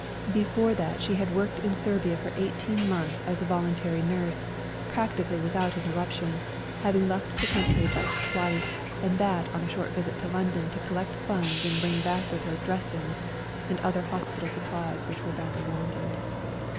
Before that she had worked in Serbia for eighteen months as a voluntary nurse, practically without interruption, having left the country but twice, and that on a short visit to London to collect funds and bring back with her dressings and other hospital supplies which were badly wanted.